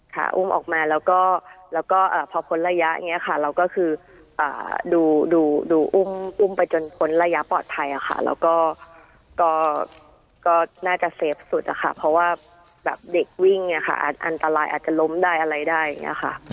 อุ้มออกมาแล้วก็พอพ้นระยะอย่างนี้ค่ะเราก็คือดูอุ้มไปจนพ้นระยะปลอดภัยค่ะแล้วก็น่าจะเซฟสุดอะค่ะเพราะว่าแบบเด็กวิ่งเนี่ยค่ะอันตรายอาจจะล้มได้อะไรได้อย่างนี้ค่ะ